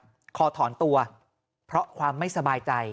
ขอถอนตัวเพราะความไม่สบายใจ